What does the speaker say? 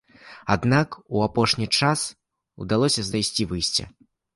Аднак у апошні час удалося знайсці выйсце.